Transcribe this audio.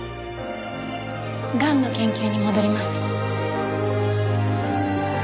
がんの研究に戻ります。